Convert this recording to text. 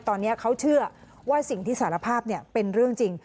ตอนนี้เขาเชื่อว่าสิ่งที่สารภาพเป็นเรื่องจริง